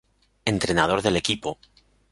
Entrenador del equipo.